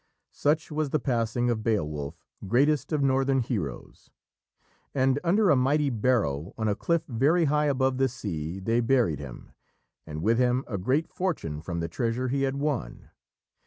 Such was the passing of Beowulf, greatest of Northern heroes, and under a mighty barrow on a cliff very high above the sea, they buried him, and with him a great fortune from the treasure he had won.